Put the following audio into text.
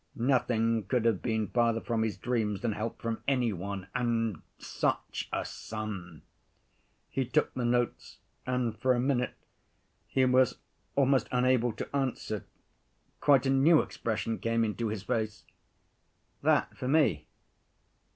Nothing could have been farther from his dreams than help from any one—and such a sum! He took the notes, and for a minute he was almost unable to answer, quite a new expression came into his face. "That for me?